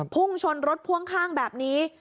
พุ่งชนรถพ่วงข้างแบบนี้